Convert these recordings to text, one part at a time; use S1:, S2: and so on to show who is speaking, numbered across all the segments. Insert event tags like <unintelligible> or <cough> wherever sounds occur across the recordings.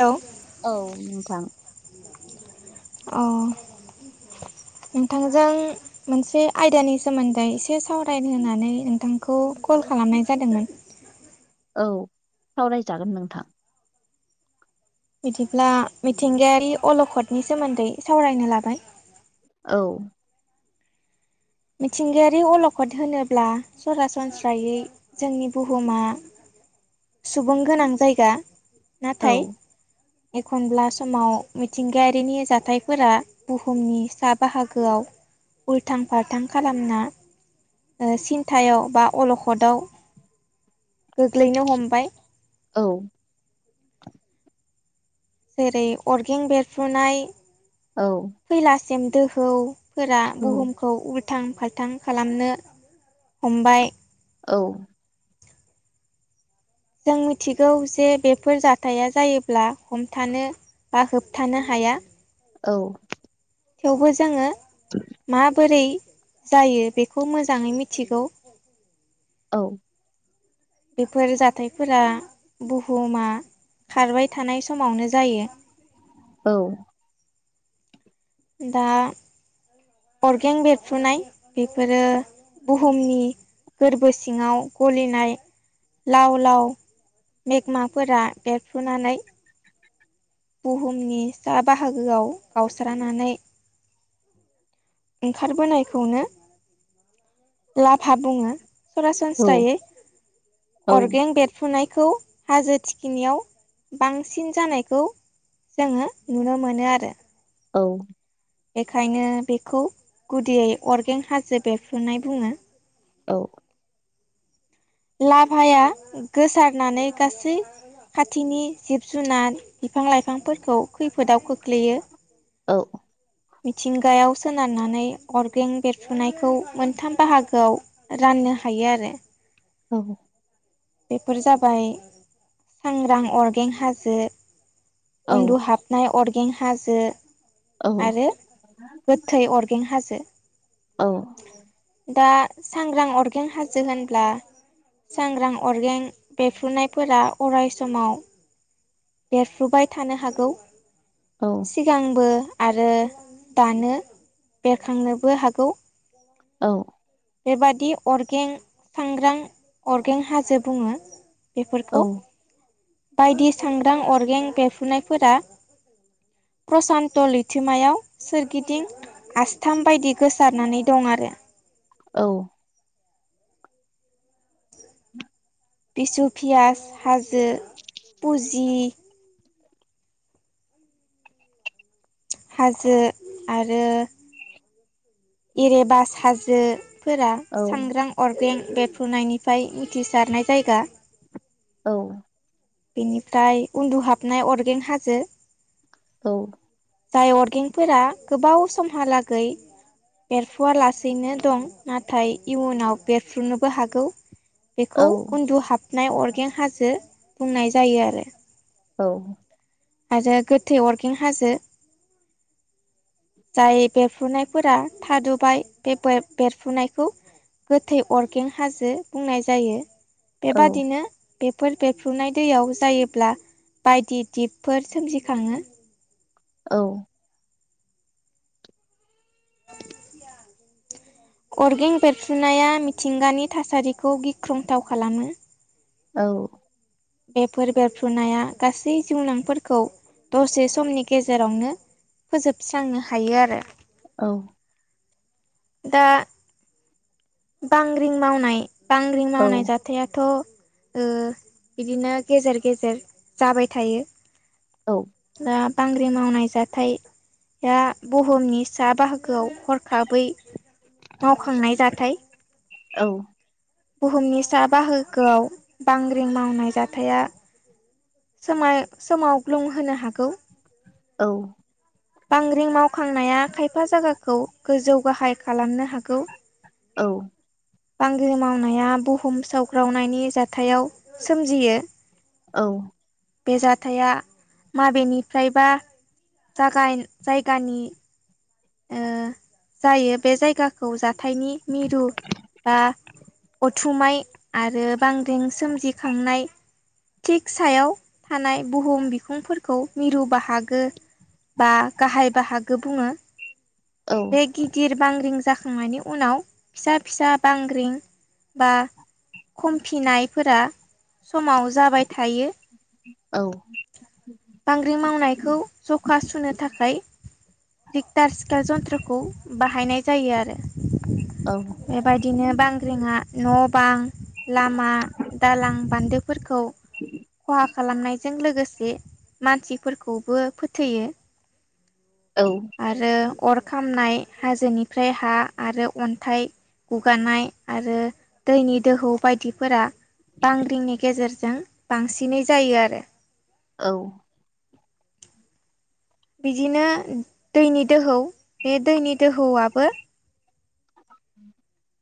S1: Hello
S2: औ नोंथां।
S1: अ। नोंथांजों मोनसे आयदानि सोमोन्दै एसे सावराय होनानै नोंथांखौ कल खालामनाय जादोंमोन
S2: औ सावरायजागोन नोंथां।
S1: बिदिब्ला मिथिंगायारि अलखदनि सोमोन्दै सावरायनो लाबाय।
S2: औ।
S1: मिथिंगायारि अलखद होनोब्ला सरासनस्रायै जोंनि बुहुमा सुबुं गोनां जायगा।
S2: औ
S1: नाथाय एखनब्ला समाव मिथिंगायारिनि जाथायफोरा बुहुमनि सा बाहागोआव उल्थां फाल्थां खालामना ओ सिन्थायाव बा अलखदाव गोग्लैनो हमबाय।
S2: औ।
S1: जेरै अरगें बेरफ्रुनाय
S2: औ।
S1: <unintelligible> दोहौफोरा
S2: औ
S1: बुहुमखौ उल थां फालथां खालामनो हमबाय।
S2: औ।
S1: जों मिथिगौ जे बेफोर जाथाया जायोब्ला हमथानो बा होबथानो हाया।
S2: औ।
S1: थेवबो जोङो माबोरै जायो बेखौ मोजाङै मिथिगौ।
S2: औ।
S1: बेफोर जाथायफोरा बुहुमा खारबाय थानाय समावनो जायो।
S2: औ।
S1: दा अरगें बेरफ्रुनाय बेफोरो बुहुमनि गोरबो सिङाव गलिनाय लाव लाव मेगनाफोरा बेरफ्रुनानै बुहुमनि सा बाहागोआव गावस्रानानै ओंखारबोनायखौनो लाभा बुङो। सरासनस्रायै
S2: औ
S1: अरगें बेरफ्रुनाय खौ हाजो थिखिनियाव बांसिन जानायखौ जोङो नुनो मोनो आरो
S2: औ।
S1: बेखायनो बेखौ गुदियै अरगें हाजो बेरफ्रुनाय बुङो।
S2: औ।
S1: लाभाया गोसारनानै गासै खाथिनि जिब जुनार बिफां लाइफांफोरखौ खैफोदाव खोख्लैयो।
S2: औ।
S1: मिथिंगायाव सोनारनानै अर्गें बेरफुनायखौ मोनथाम बाहागोआव रान नो हायो आरो।
S2: औ।
S1: बेफोर जाबाय सांग्रां अरगें हाजो
S2: औ
S1: उन्दुहाबनाय अरगें हाजो।
S2: औ
S1: आरो गोथै अरगें हाजो।
S2: औ
S1: दा। सांग्रां अरगें हाजो होनब्ला सांग्रां अर्गें बेरफ्रुनायफोरा अराय समाव बेरफ्रुबाय थानो हागौ सिगांबो आरो दानो बेरखांनोबो हागौ
S2: औ।
S1: बेबादि अरगें सांग्रां अरगें हाजो बुङो। बेफोरखौ बायदि सांग्रां अर्गें बेरफुनायफोरा प्रसान्त लैथोमायाव सोरगिदिं आसथाम बायदि गोसारनानै दं आरो।
S2: औ।
S1: बिसु पियास हाजो फुजि हाजो आरो। एरेबास हाजोफोरा सांग्रां अरगें बेरफ्रुनायनिफ्राय उथिसारनाय जायगा
S2: औ।
S1: बिनिफ्राय उन्दुहाबनाय अरगें हाजो।
S2: औ।
S1: जाय अर्गेंफोरा गोबाव समहालागै बेरफ्रुवालासैनो दं नाथाय इयुनाव बेरफ्रुनोबो हागौ बेखौ उन्दुहाबनाय अरगें हाजो बुंनाय जायो आरो।
S2: औ।
S1: आरो गोथै अरगें हाजो। जाय बेरफ्रुनाय फोरा थादुबाय बे बेरफुनायखौ। गोथै अरगें हाजो बुंनाय जायो। बेबादिनो बेफोर बेरफ्रुनाय दैयाव जायोब्ला बायदि दिपफोर सोमजिखाङो।
S2: औ।
S1: औ <unintelligible> अर्गें बेरफ्रुनाया मिथिंगानि थासारिखौ गिख्रंथाव खालामो।
S2: औ।
S1: बेफोर बेरफ्रुनाया गासै जिउनांफोरखौ दसे समनि गेजेरावनो फोजोबस्रांनो हायो आरो
S2: औ।
S1: दा बांग्रिं मावनाय बांग्रिं मावनाय जाथायाथ' ओ बिदिनो गेजेर गेजेर जाबाय थायो।
S2: औ।
S1: दा बांग्रि मावनाय जाथाया बुहुमनि साहा बाहागो गोवाव हरखाबै मावखांनाय जाथाय
S2: औ।
S1: बुहुमनि सा बाहागोआव बांग्रिं मावनाय जाथाया सोमाय सोमावग्लुंहोनो हागौ
S2: औ।
S1: बांग्रिं मावखांनाया खायफा जायगाखौ गोजौ गाहाय खालामनो हागौ।
S2: औ
S1: बांग्रिं मावनाया बुहुम सावग्रावनायनि जाथायाव सोमजियो
S2: औ
S1: बे जाथाया माबेनिफ्रायबा जागाय जायगानि जायो बे जायगाखौ जाथायनि मिरु बा अथुमाय आरो बांग्रिं सोमजिखांनाय थिग सायाव थानाय बुहुम बिखुंफोरखौ मिरु बाहागो बा गाहाय बाहागो बुङो बे गिदिर बांग्रिं जाखांनायनि उनाव फिसा फिसा बांग्रिं बा खमफिनाय फोरा समाव जाबाय थायो बांग्रि मावनायखौ जखा सुनो थाखाय रिक्टार सिकेल जन्थ्रखौ बाहायनाय जायो आरो बेबायदिनो बांग्रिं आ न' बां लामा दालां बान्दो फोरखौ खहा खालामनायजों लोगोसे मानसिफोरखौबो फोथैयो
S2: औ
S1: आरो अर खामनाय हाजोनिफ्राय हा आरो अन्थाइ गुगानाय आरो दैनि दोहौ बायदिफोरा बांग्रिंनि गेजेरजों बांसिनै जायो आरो
S2: औ
S1: बिदिनो दैनि दोहौ बे दैनि दोहौआबो
S2: <inaudible>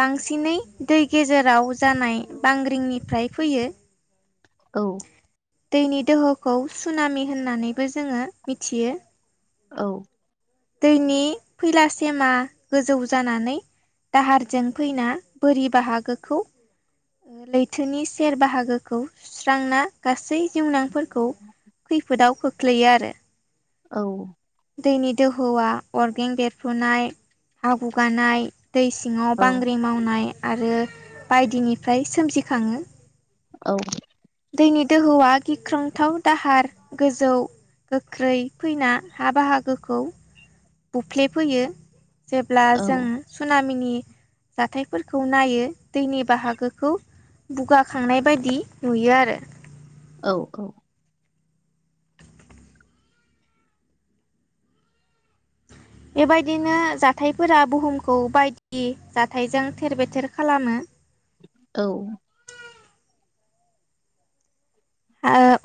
S1: बांसिनै दै गेजेराव जानाय बांग्रिंनिफ्राय फैयो
S2: औ
S1: दैनि दोहोखौ सुनामि होननानैबो जोङो मिथियो
S2: औ
S1: दैनि फैला सेमा गोजौ जानानै दाहारजों फैना बोरि बाहागोखौ लैथोनि सेर बाहागोखौ सुस्रांना गासै जिउनांफोर खौ खैफोदाव खोख्लैयो आरो
S2: औ
S1: दैनि दोहोआ अरगें बेरफ्रुनाय हा हु गानाय दै सिङाव बांग्रि मावनाय आरो बायदिनिफ्राय सोमजिखाङो
S2: औ
S1: दैनि दोहौआ गिख्रंथाव दाहार गोजौ गोख्रै फैना हा बाहागोखौ बुफ्लेफैयो जेब्ला
S2: औ
S1: जों सनामिनि जाथायफोरखौ नायो दैनि बाहागोखौ बुगाखांनाय बायदि नुयो आरो
S2: औ औ
S1: बेबायदिनो जाथायफोरा बुहुमखौ बायदि जाथायजों थेर बेथेर खालामो <inaudible>
S2: औ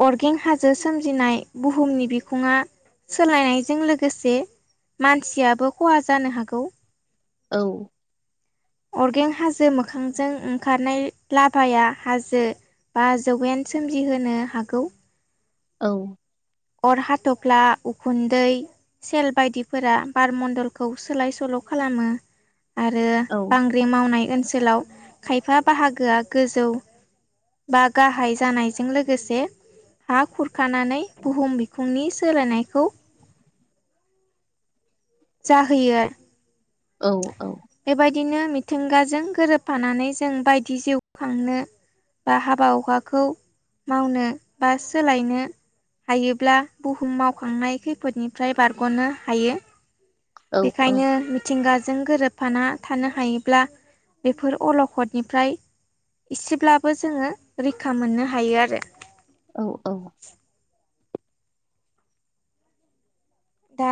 S1: अर्गें हाजो सोमजिनाय बुहुमनि बिखुङा सोलायनायजों लोगोसे मानसियाबो खहा जानो हागौ
S2: औ
S1: अर्गें हाजो मोखांजों ओंखारनाय लाबाया हाजो बा जौगेन सोमजिहोनो हागौ
S2: औ
S1: अर हाथ'फ्ला उखुन्दै सेल बायदिफोरा बारम्न्दलखौ सोलाय सोल' आरो
S2: औ
S1: बांग्रि मावनाय ओनसोलाव खायफा बाहागोआ गोजौ बा गाहाय जानायजों लोगोसे हा खुरखानानै बुहुम बिखुंनि सोलायनायखौ जाहोयो।
S2: औ औ।
S1: बेबायदिनो मिथिंगाजों गोरोबफानानै जों बायदि जिउ खांनो बा हाबा हुखाखौ मावनो बा सोलायनो हायोब्ला बुहुम मावखांनाय खैफोदनिफ्राय बारग'नो हायो।
S2: औ
S1: बेखायनो मिथिंगाजों गोरोब थफाना थानो हायोब्ला बेफोर अलखदनिफ्राय एसेब्लाबो जोङो रैखा मोननो हायो आरो।
S2: औ औ।
S1: दा।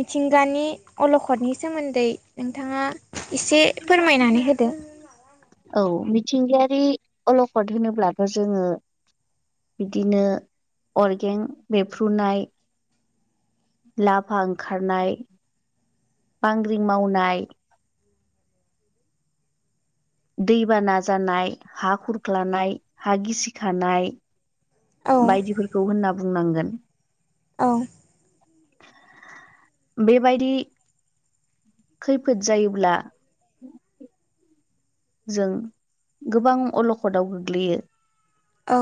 S1: मिथिंगानि अलखदनि सोमोन्दै नोंथाङा एसे फोरमायनानै होदो। <inaudible>
S2: औ मिथिंगायारि अलखद होनोब्लाबो जोङो बिदिनो अर्गें बेफ्र्रुनाय। लाफा ओंखारनाय बांग्रिं मावनाय। दैबाना जानाय हा खुरख्लानाय हा गिसिखानाय।
S1: औ
S2: बायदिफोरखौ होनना बुंनांगोन।
S1: औ।
S2: बेबायदि। खैफोद जायोब्ला। जों गोबां अलखदाव गोग्लैयो
S1: औ।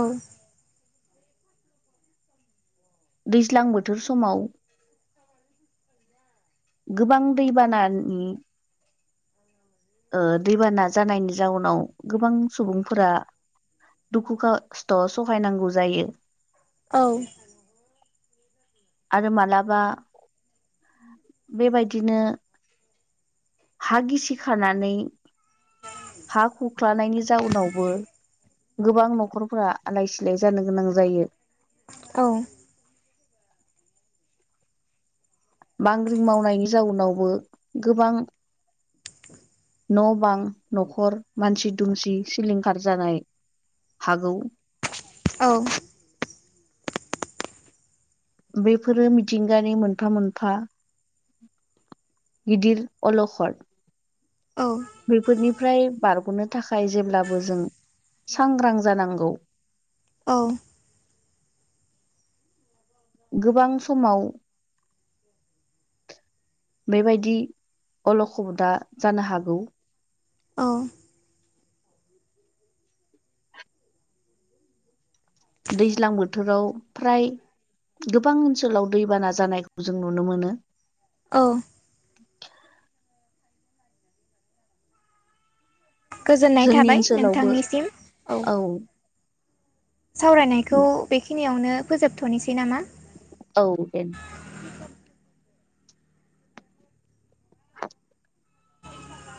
S2: दैज्लां बोथोर समाव गोबां दैबानानि ओ दैबाना जानायनि जाउनाव गोबां सुबुंफोरा दुखु खस्थ' सहायनांगौ जायो।
S1: औ।
S2: आरो मालाबा बेबायदिनो हा गिसि खानानै हा खुख्लानायनि जाउनावबो गोबां न'खरफोरा आलाय सिलाय जानो गोनां जायो।
S1: औ।
S2: बांग्रिं मावनायनि जाउनावबो गोबां न' बां न'खर मानसि दुमसि सिलिंखार जानाय। हागौ।
S1: औ।
S2: बेफोरो मिथिंगानि मोनफा मोनफा गिदिर अलखर
S1: औ
S2: बेैफोरनिफ्राय बारग'नो थाखाय जेब्लाबो जों सांग्रां जानांगौ।
S1: औ।
S2: गोबां समाव बेबायदि अलखबदा जानो हागौ।
S1: औ।
S2: दैज्लां बोथोराव फ्राय गोबां ओनसोलाव दैबाना जानायखौ जों नुनो मोनो।
S1: औ
S2: <unintelligible>
S1: गोजोननाय
S2: जोंनि
S1: थाबाय
S2: ओनसोलावबो
S1: नोंथांनिसिम औ सावरायनायखौ बेखिनियावनो फोजोबथ'निसै नामा?
S2: औ दे।